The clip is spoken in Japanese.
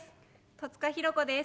戸塚寛子です。